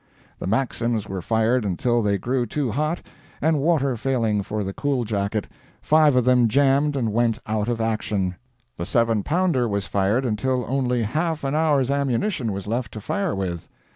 The Maxims were fired until they grew too hot, and, water failing for the cool jacket, five of them jammed and went out of action. The 7 pounder was fired until only half an hour's ammunition was left to fire with.